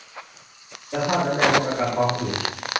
ยาธาตุน้ำแดง ลดอาการท้องอืด